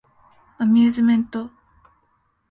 アミューズメント